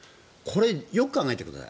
よく考えてください